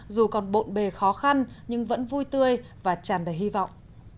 dù còn bộn bề khó khăn nhưng vẫn vui tươi và tràn đầy hy vọng